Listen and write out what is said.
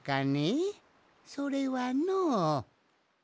それはの。